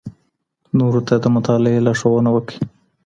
نورو ته د مطالعې لارښوونه وکړئ.